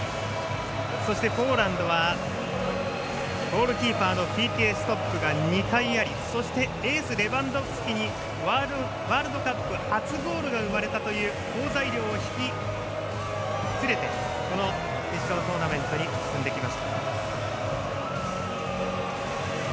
そしてポーランドはゴールキーパーのＰＫストップが２回ありそして、エースのレバンドフスキにワールドカップ初ゴールが生まれたという好材料を引き連れてこの決勝トーナメントに進んできました。